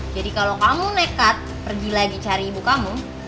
jadi kalau kamu nekat pergi lagi cari ibu kamu